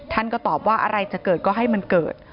ท่านก็ตอบว่าอะไรจะเกิดก็ให้มันเกิด